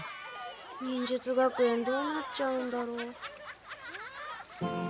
忍術学園どうなっちゃうんだろう。